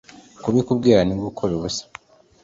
Kubikubwira ni nko gukora ubusa